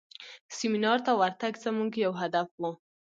سیمینار ته ورتګ زموږ یو هدف و.